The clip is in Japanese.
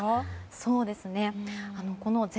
そうですね。